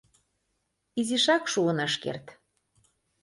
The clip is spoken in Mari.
— Изишак шуын ыш керт.